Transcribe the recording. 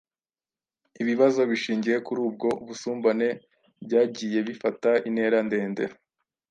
Ibibazo bishingiye kuri ubwo busumbane byagiye bifata intera ndende